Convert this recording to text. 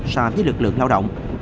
ba mươi so với lực lượng lao động